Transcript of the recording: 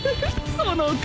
その顔！